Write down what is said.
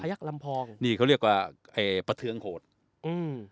ยักษ์ลำพองนี่เขาเรียกว่าไอ้ประเทืองโหดอืม